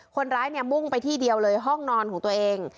คนร้ายเนี่ยมุ่งไปที่เดียวเลยห้องนอนของตัวเอง